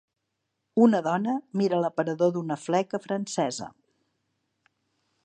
Una dona mira l'aparador d'una fleca francesa.